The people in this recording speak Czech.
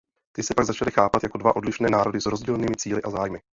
Ty se pak začaly chápat jako dva odlišné národy s rozdílnými cíli a zájmy.